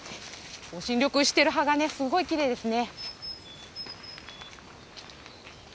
新緑してる葉がすごいきれいですね。